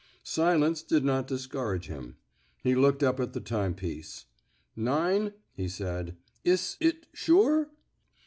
Silence did not discourage him. He looked up at the timepiece. '* Nine! '' he said. Iss it — sure!